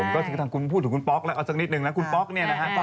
ผมก็พูดถึงคุณป๊อกแล้วเอาสักนิดนึงนะคุณป๊อกเนี่ยนะฮะ